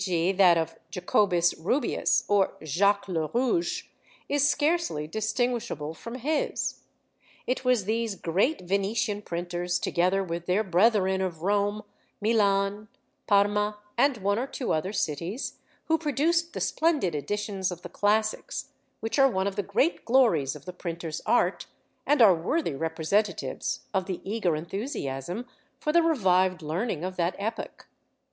g._, that of Jacobus Rubeus or Jacques le Rouge is scarcely distinguishable from his. It was these great Venetian printers, together with their brethren of Rome, Milan, Parma, and one or two other cities, who produced the splendid editions of the Classics, which are one of the great glories of the printer's art, and are worthy representatives of the eager enthusiasm for the revived learning of that epoch.